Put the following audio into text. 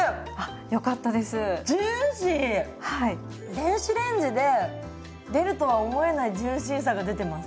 電子レンジで出るとは思えないジューシーさが出てます。